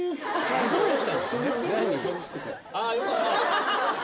ああよかった。